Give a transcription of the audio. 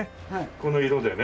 この色でね。